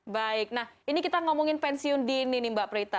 baik nah ini kita ngomongin pensiun dini nih mbak prita